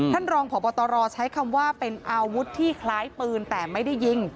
รองพบตรใช้คำว่าเป็นอาวุธที่คล้ายปืนแต่ไม่ได้ยิง